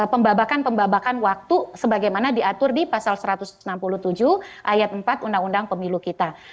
pembabakan pembabakan waktu sebagaimana diatur di pasal satu ratus enam puluh tujuh ayat empat undang undang pemilu kita